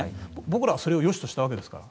僕らはそれをよしとしたわけだから。